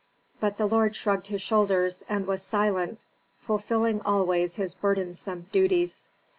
But the lord shrugged his shoulders, and was silent, fulfilling always his burdensome duties.